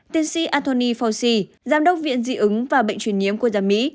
tiến sĩ anthony fauci giám đốc viện di ứng và bệnh truyền nhiễm quốc gia mỹ